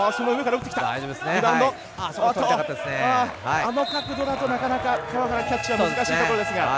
あの角度だと、なかなか川原はキャッチが難しいところですが。